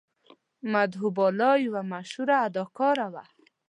مدهو بالا یوه مشهوره اداکاره وه.